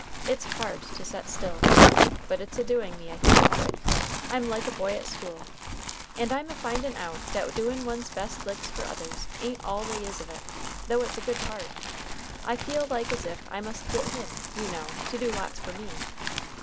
It's hard to set still. But it's a doing me a heap of good. I'm like a boy at school. And I'm a findin' out that doing one's best licks fer others ain't all they is of it, though it's a good part. I feel like as if I must git Him, you know, to do lots for me.